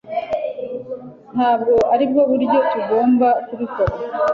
Ntabwo aribwo buryo tugomba kubikora